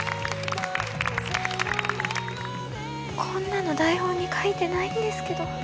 こんなの台本に書いてないんですけど。